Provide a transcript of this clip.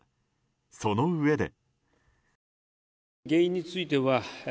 そのうえで。